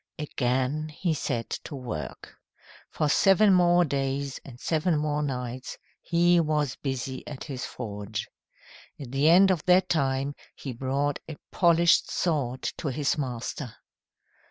Again he set to work. For seven more days and seven more nights he was busy at his forge. At the end of that time he brought a polished sword to his master.